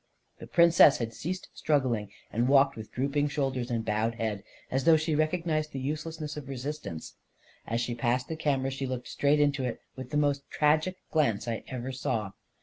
The Princess had ceased struggling, and walked with drooping shoulders and bowed head, as though she recognized the uselessness of resist ance. As she passed the camera, she looked straight into it with the most tragic glance I ever saw.